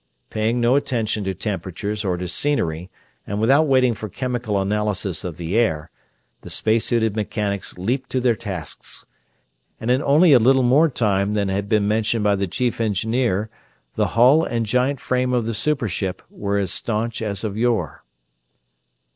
Paying no attention to temperature or to scenery and without waiting for chemical analysis of the air, the space suited mechanics leaped to their tasks; and in only a little more time than had been mentioned by the chief engineer the hull and giant frame of the super ship were as staunch as of yore.